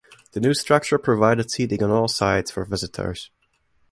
The new structure provided seating on all sides for visitors.